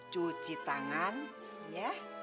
cuci tangan ya